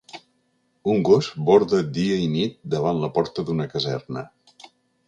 Un gos borda dia i nit davant la porta d’una caserna.